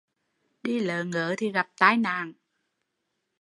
Đi lớ ngớ thì gặp tai nạn